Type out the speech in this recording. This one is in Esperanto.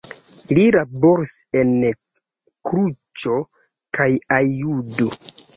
Li laboris en Kluĵo kaj Aiud.